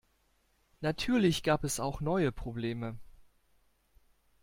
Natürlich gab es auch neue Probleme.